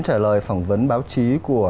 trả lời phỏng vấn báo chí của